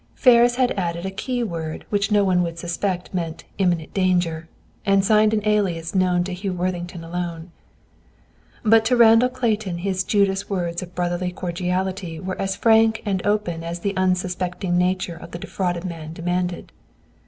Ferris had added a key word, which no one would suspect meant "Imminent danger," and signed an alias known to Hugh Worthington alone. But to Randall Clayton his Judas words of brotherly cordiality were as frank and open as the unsuspecting nature of the defrauded man demanded.